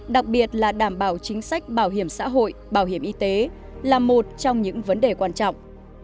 đặc biệt là đảm bảo chính sách bảo hiểm xã hội bảo hiểm y tế là một trong những vấn đề quan trọng